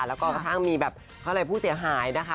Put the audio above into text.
แล้วก็กระทั่งมีแบบเขาอะไรผู้เสียหายนะคะ